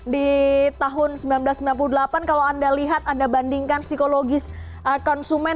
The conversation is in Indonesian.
di tahun seribu sembilan ratus sembilan puluh delapan kalau anda lihat anda bandingkan psikologis konsumen